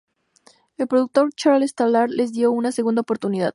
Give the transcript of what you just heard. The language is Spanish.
El productor Charles Talar les dio una segunda oportunidad.